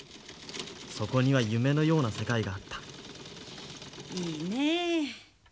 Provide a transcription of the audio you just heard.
そこには夢のような世界があったいいねえ。